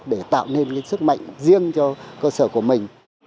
để tạo nên sức mạnh riêng cho cơ sở của mình